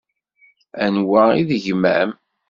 Anwa i d gma-m?